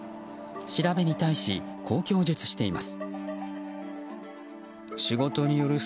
調べに対しこう供述しています。